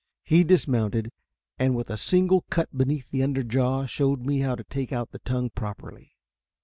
He dismounted, and with a single cut beneath the under jaw showed me how to take out the tongue properly.